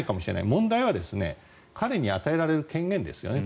問題は彼に与えられる権限ですね。